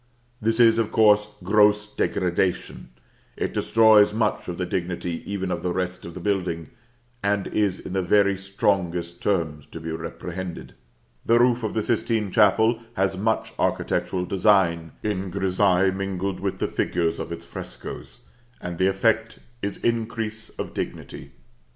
This is, of course, gross degradation; it destroys much of the dignity even of the rest of the building, and is in the very strongest terms to be reprehended. The roof of the Sistine Chapel has much architectural design in grissaille mingled with the figures of its frescoes; and the effect is increase of dignity.